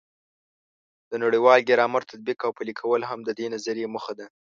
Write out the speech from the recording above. د نړیوال ګرامر تطبیق او پلي کول هم د دې نظریې موخه ده.